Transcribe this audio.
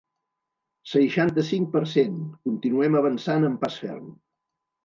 Seixanta-cinc per cent Continuem avançant amb pas ferm.